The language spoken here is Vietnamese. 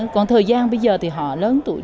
còn thời gian bây giờ thì họ lớn tuổi